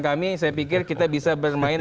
kami saya pikir kita bisa bermain